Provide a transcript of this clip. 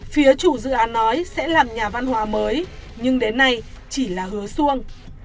phía chủ dự án nói sẽ làm nhà văn hóa mới nhưng đến nay chỉ là hứa xuông